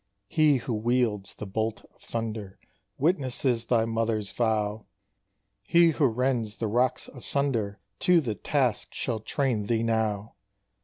HE who wields the bolt of thunder Witnesses thy Mother's vow! HE who rends the rocks asunder To the task shall train thee now!